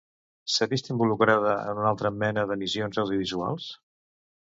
S'ha vist involucrada en una altra mena d'emissions audiovisuals?